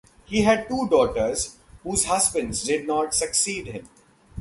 He had two daughters, whose husbands did not succeed him.